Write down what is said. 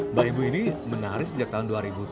mbak ibu ini menarik sejak tahun dua ribu tujuh